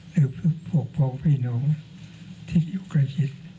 หรือพวกพ้องพี่น้องที่อยู่ใกล้ชิด